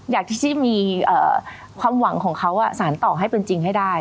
อยากที่จะมีความหวังของเขาสารต่อให้เป็นจริงให้ได้